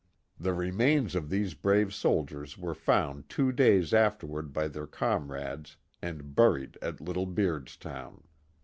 The remains of these brave soldiers were found two days after ward by their comrades and buried at Little Beardstown.